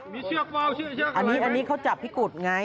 มีเชือกเว้าเชือกอะไรหันนี้เขาจับพี่กุฎไง